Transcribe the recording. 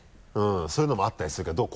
そういうのもあったりするけどどう？